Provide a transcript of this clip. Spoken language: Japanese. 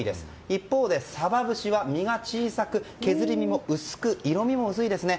一方で、サバ節は身が小さく削り身も薄く、色味も薄いですね。